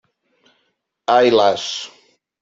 Ai las!